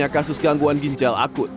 tiga kasus gangguan ginjal akut